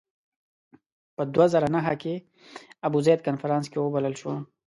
په دوه زره نهه کې ابوزید کنفرانس کې وبلل شو.